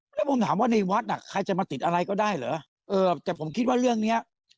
แล้วผมถามว่าในวัดอ่ะใครจะมาติดอะไรก็ได้เหรอเออแต่ผมคิดว่าเรื่องเนี้ย